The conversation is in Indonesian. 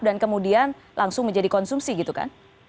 dan kemudian langsung menjadi konsumsi gitu kan